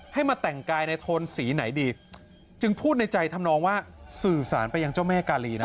ให้มาแต่งกายในโทนสีไหนดีจึงพูดในใจทำนองว่าสื่อสารไปยังเจ้าแม่กาลีนะ